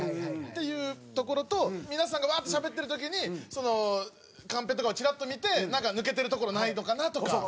っていうところと皆さんがワーッとしゃべってる時にカンペとかをチラッと見てなんか抜けてるところないのかなとか。